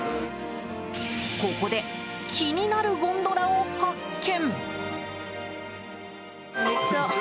ここで気になるゴンドラを発見。